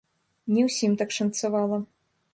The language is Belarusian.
Не ўсім так шанцавала.